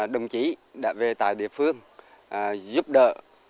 đồng chí đã về tại địa phương giúp đỡ